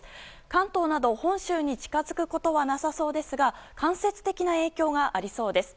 関東など、本州に近づくことはなさそうですが間接的な影響はありそうです。